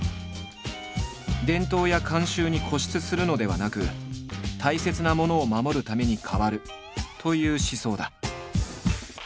伝統や慣習に固執するのではなく大切なものを守るために変わるという思想だ。